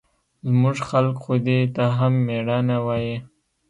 زموږ خلق خو دې ته هم مېړانه وايي.